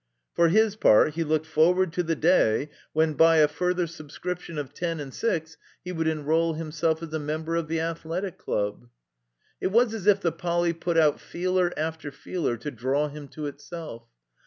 For his part, he looked forward to the day when, by a further subscription of ten and six, he wotild enroll himself as a member of the Athletic Club. It was as if the Poly, put out feeler after feeler to draw him to itself.